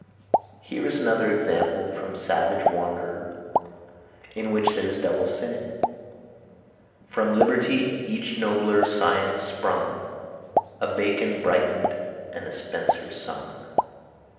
Here is another example from Savage's Wanderer in which there is double sinning: "From liberty each nobler science sprung, A Bacon brighten'd and a Spenser sung."